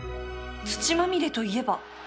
土まみれといえば